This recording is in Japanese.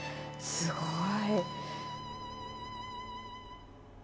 すごい。